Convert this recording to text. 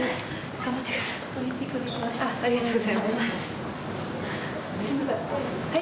頑張ってください。